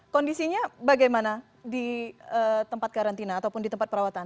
kondisinya bagaimana di tempat karantina ataupun di tempat perawatan